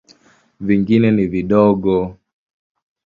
Vingine ni vidogo.